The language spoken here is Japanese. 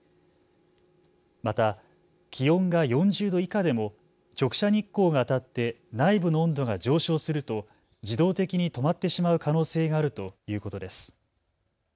また気温が４０度以下でも直射日光が当たって内部の温度が上昇すると自動的に止まってしまう可能性があるということです。